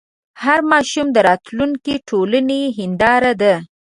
هر ماشوم د راتلونکي د ټولنې هنداره ده.